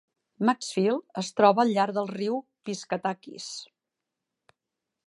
Maxfield es troba al llarg del riu Piscataquis.